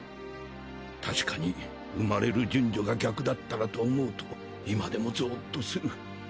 確かに産まれる順序が逆だったらと思うと今でもぞっとする。